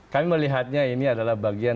kami melihatnya ini adalah bagian